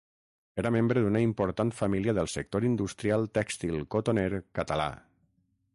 Era membre d'una important família del sector industrial tèxtil cotoner català.